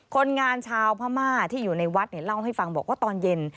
คนงานชาวพม่าที่อยู่ในวัดเนี่ยเล่าให้ฟังบอกว่าตอนเย็น